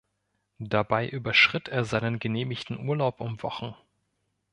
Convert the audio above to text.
Dabei überschritt er seinen genehmigten Urlaub um Wochen.